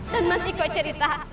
dan mas iko cerita